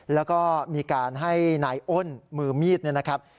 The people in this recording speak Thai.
แล้วก็มีการให้นายอ้นมือมีดเนี่ยนะครับ